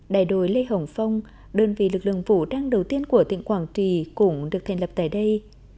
đại đội lê hồng phong đơn vị lực lượng vũ trang đầu tiên của tỉnh quảng trì cũng được thành lập tại đây